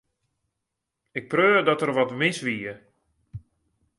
Ik preau dat der wat mis wie.